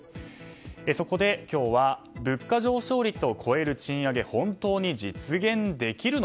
そこで、今日は物価上昇率を超える賃上げ本当に実現できるの？